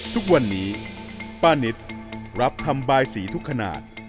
ทุกวันนี้ป้านิตรับทำบายสีทุกขนาด